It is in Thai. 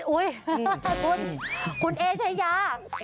อุ๊ยคุณเอ๋ใช้ยา